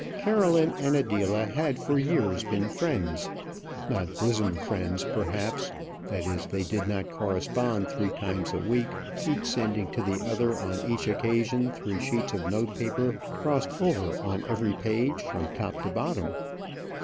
Caroline and Adela had for years been friends. Not bosom friends, perhaps; that is, they did not correspond three times a week, each sending to the other on each occasion three sheets of note paper crossed over on every page from top to bottom.